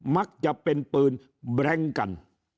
มักจะเป็นปืนแบรงกัน